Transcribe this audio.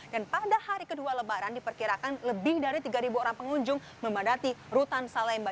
dan pada hari kedua lebaran diperkirakan lebih dari tiga ribu orang pengunjung memandati rutan salemba